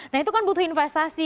nah itu kan butuh investasi